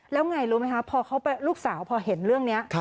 แล้วไงรู้ไหมคะพอลูกสาวพอเห็นเรื่องนี้